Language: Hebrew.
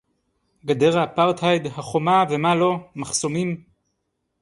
גדר האפרטהייד, החומה ומה לא; מחסומים